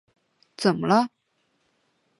怎么了？